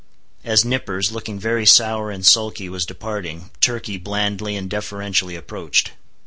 As Nippers, looking very sour and sulky, was departing, Turkey blandly and deferentially approached.